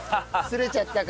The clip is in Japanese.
すれちゃった。